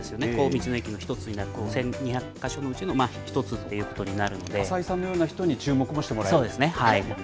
道の駅の一つになると、１２００か所のうちの１つということにな浅井さんのような人に注目もそうですね。